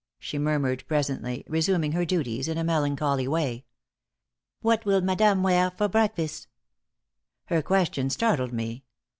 she murmured, presently, resuming her duties in a melancholy way. "What will madame wear for breakfast?" Her question startled me.